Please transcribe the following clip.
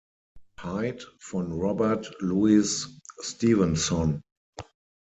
Hyde" von Robert Louis Stevenson.